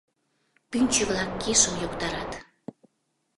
Пӱнчӧ-влак кишым йоктарат.